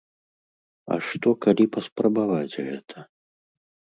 А што калі паспрабаваць гэта?